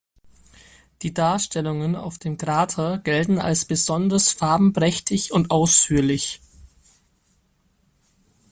Die Darstellungen auf dem Krater gelten als besonders farbenprächtig und ausführlich.